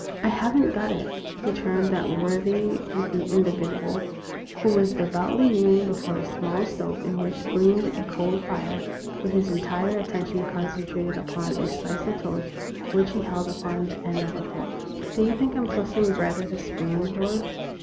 "I haven't got it," returned that worthy indi vidual, who was devoutly kneeling before a small stove, in which gleamed a coal fire, with his entire attention concentrated upon a slice of toast which he held upon the end of a fork. " Do you think I'm toasting bread with a spoon, George?